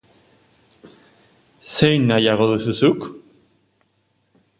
Zein nahiago duzu zuk?